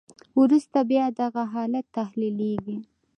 وروسته بیا دغه حالت تحلیلیږي.